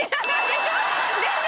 でしょ！